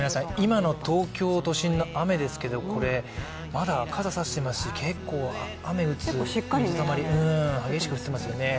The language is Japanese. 今の東京都心の雨ですけど、まだ傘さしていますし結構雨打つ、水たまり激しく打ってますよね。